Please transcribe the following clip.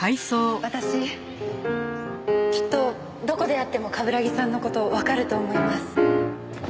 私きっとどこで会っても冠城さんの事わかると思います。